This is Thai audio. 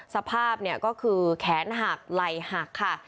สภาพเนี่ยก็คือแขนหักไหล่หักค่ะ